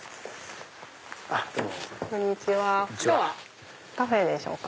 今日はカフェでしょうか？